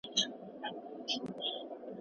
د ادبي څېړنو له لاري موږ نوې پوهه ترلاسه کوو.